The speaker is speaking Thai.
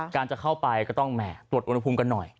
การจะเข้าไปก็ต้องแห่ตรวจอุณหภูมิกันหน่อย